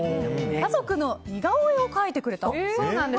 家族の似顔絵を描いてくれたと。